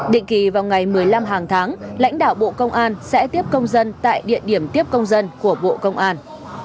định kỳ vào ngày một mươi năm hàng tháng lãnh đạo bộ công an sẽ tiếp công dân tại địa điểm tiếp công dân của bộ công an